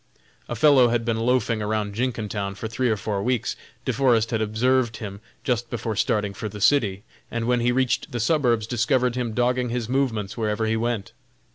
A fellow had been loafing around Jenkintown for three or four weeks. De Forest had observed him just before starting for the city, and when he reached the suburbs discovered him dogging his movements wherever he went.